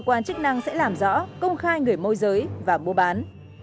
cơ quan chức năng sẽ làm rõ công khai người môi giới và mua bán